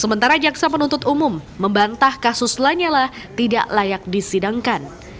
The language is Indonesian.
sementara jaksa penuntut umum membantah kasus lanyala tidak layak disidangkan